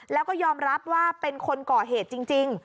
แล้วก็ยอมรับว่าเป็นคนก่อเหตุจริง